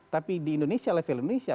tapi di indonesia level indonesia